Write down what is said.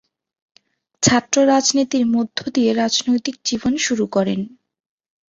ছাত্র রাজনীতির মধ্য দিয়ে রাজনৈতিক জীবন শুরু করেন।